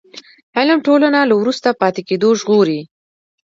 علم ټولنه له وروسته پاتې کېدو ژغوري.